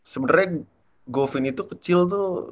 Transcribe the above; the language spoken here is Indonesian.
sebenarnya govin itu kecil tuh